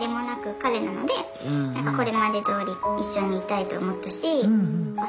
「これまでどおり一緒にいたいと思ったし」。